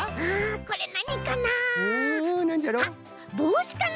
これなにかな？